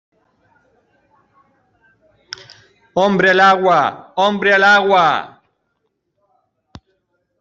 ¡ hombre al agua! ¡ hombre al agua !